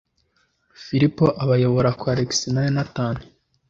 Filipo abayobora kwa Alex na Yonatani.